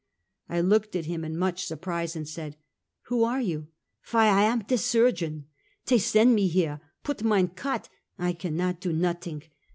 I looked at him in much surprise, and said: ""Who are you?" " Yy, I am de surgeon. Tey send me here; put mine Cot, I cannot do notting.